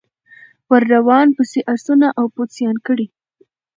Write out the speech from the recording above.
ور روان پسي آسونه او پوځیان کړی